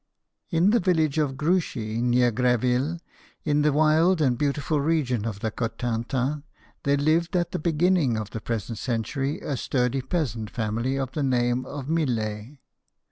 In the village of Gruchy, near Greville, in this wild and beautiful region of the Cotentin, there lived at the beginning of the present century a sturdy peasant family of the name of Millet.